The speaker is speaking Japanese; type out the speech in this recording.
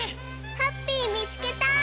ハッピーみつけた！